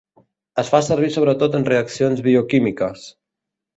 Es fa servir sobretot en reaccions bioquímiques.